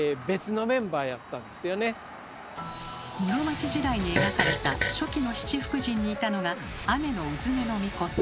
室町時代に描かれた初期の七福神にいたのが天鈿女命。